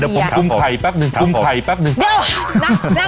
เดี๋ยวผมคุมไข่แป๊บนึงกุมไข่แป๊บนึงเดี๋ยวนะ